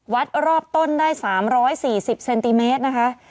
วัดรอบต้นได้๓๔๐เซนติเมตรนะคะ